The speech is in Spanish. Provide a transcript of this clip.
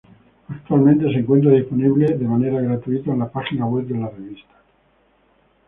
Actualmente se encuentra disponible de manera gratuita en la página web de la revista.